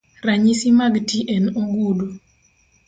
Ranyisi mag ti en ogudu .